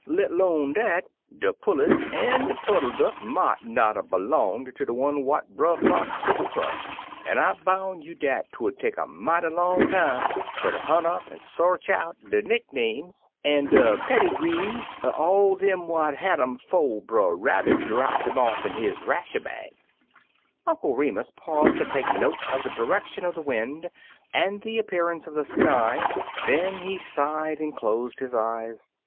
"Let 'lone dat, de pullets an' de puddle duck mought not 'a' b'long'd ter de one what Brer Fox tuck um fum, an' I boun' you dat 'twould take a mighty long time fer ter hunt up an' s'arch out de nick names an' io8 Brother Fox's Family Trouble de pettygrees er all dem what had um 'fo' Brer Rabbit drapped um in his rasher bag." Uncle Remus paused to take note of the direction of the wind and the appearance of the sky; then he sighed and closed his eyes.